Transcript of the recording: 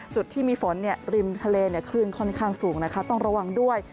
จุดที่มีฝนริมทะเลคลื่นค่อนข้างสูงนะคะต้องระวังด้วย